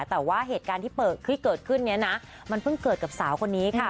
แต่ว่าเหตุการณ์ที่เกิดขึ้นเนี่ยนะมันเพิ่งเกิดกับสาวคนนี้ค่ะ